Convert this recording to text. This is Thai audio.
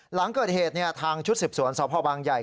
หลังเกิดเหตุเนี่ยทางชุดสิบศวรสาวพ่อบางใหญ่